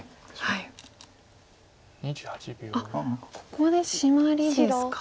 ここでシマリですか。